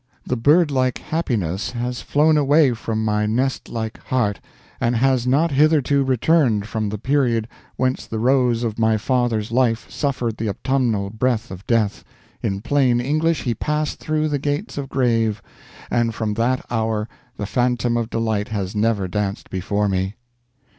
The bird like happiness has flown away from my nest like heart and has not hitherto returned from the period whence the rose of my father's life suffered the autumnal breath of death, in plain English he passed through the gates of Grave, and from that hour the phantom of delight has never danced before me."